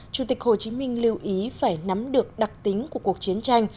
chủ tịch hồ chí minh lưu ý phải nắm được đặc tính của cuộc chiến tranh